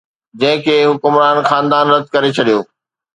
جنهن کي حڪمران خاندان رد ڪري ڇڏيو